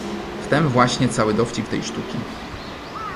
"W tem właśnie cały dowcip tej sztuki."